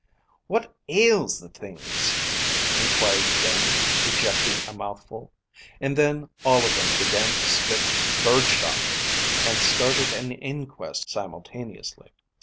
"What ails the things?" inquired Dannie, ejecting a mouthful. And then all of them began to spit birdshot, and started an inquest simultaneously.